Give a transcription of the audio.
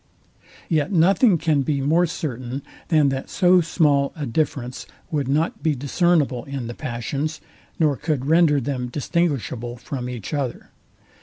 Yet nothing can be more certain, than that so small a difference would not be discernible in the passions, nor could render them distinguishable from each other.